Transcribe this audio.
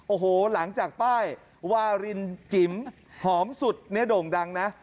โอ้โหหลังจากป้ายวารินจิ๋มหอมสุดเนี่ยโด่งดังนะ